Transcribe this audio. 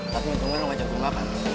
tapi untungnya lo ngajak gue makan